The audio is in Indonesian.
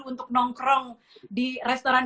untuk nongkrong di restoran